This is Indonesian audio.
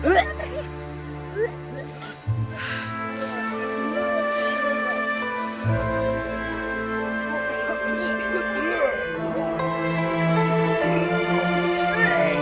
ya sana pergi pergi pergi